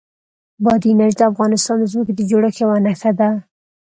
بادي انرژي د افغانستان د ځمکې د جوړښت یوه نښه ده.